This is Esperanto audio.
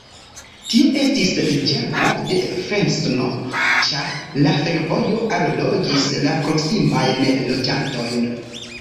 Tio estis ĝermo de Fresno, ĉar la fervojo allogis la proksimajn loĝantojn.